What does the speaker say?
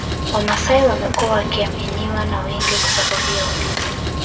wamasai wamekuwa wakiaminiwa na wengi kwa sababu ya ulinzi